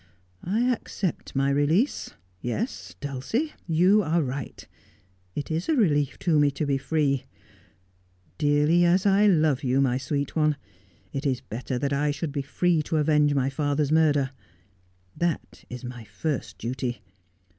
I accept my release. Yes, Dulcie, you are right. It is a relief to me to be free. Dearly as I love you, my sweet one, it is better that I should be free to avenge my father's murder. That is my first duty.